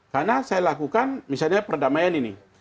karena saya lakukan misalnya perdamaian ini